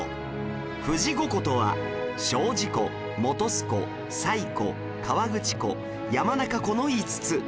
富士五湖とは精進湖本栖湖西湖河口湖山中湖の５つ